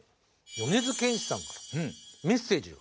米津玄師さんからメッセージが。